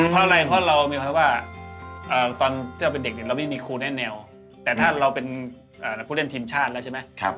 เพราะอะไรเพราะเรามีความว่าตอนที่เราเป็นเด็กเนี่ยเราไม่มีครูแน่แนวแต่ถ้าเราเป็นผู้เล่นทีมชาติแล้วใช่ไหม